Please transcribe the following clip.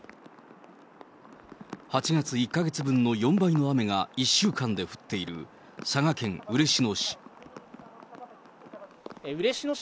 ８月１か月分の４倍の雨が１週間で降っている佐賀県嬉野市。